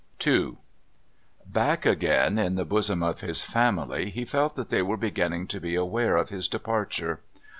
II Back again in the bosom of his family he felt that they were beginning to be aware of his departure.